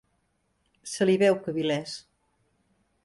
Se li veu que vil és.